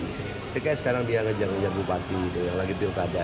seperti sekarang dia ngejar ngejar bupati yang lagi pilkada